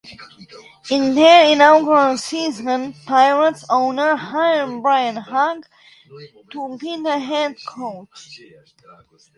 In their inaugural season, Pirates owner hired Brian Hug to be the head coach.